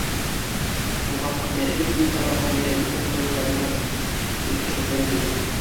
Уға күтә- р ни ҡарарға ерәнеп ултырған Шамратов, ирекһеҙҙән генә